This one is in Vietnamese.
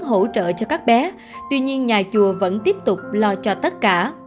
không tiến hỗ trợ cho các bé tuy nhiên nhà chùa vẫn tiếp tục lo cho tất cả